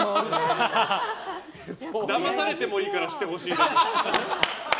だまされてもいいからしてほしい。